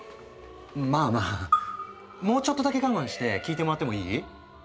まあまあもうちょっとだけ我慢して聞いてもらってもいい？